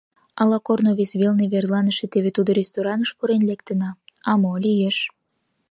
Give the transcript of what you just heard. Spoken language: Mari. «Ала корно вес велне верланыше теве тудо рестораныш пурен лектына?» — «А мо, лиеш».